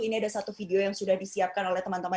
ini ada satu video yang sudah disiapkan oleh teman teman